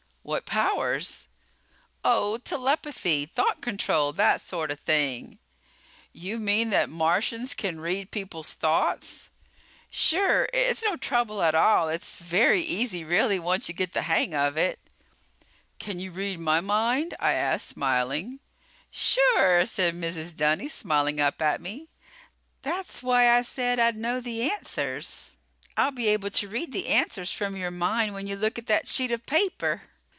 "What powers?" "Oh, telepathy, thought control that sort of thing." "You mean that Martians can read people's thoughts?" "Sure! It's no trouble at all. It's very easy really, once you get the hang of it." "Can you read my mind?" I asked, smiling. "Sure!" said Mrs. Dunny, smiling up at me. "That's why I said that I'd know the answers. I'll be able to read the answers from your mind when you look at that sheet of paper."